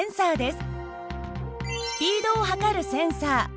スピードを測るセンサー。